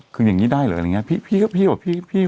คืออย่างนี้ได้หรืออะไรอย่างนี้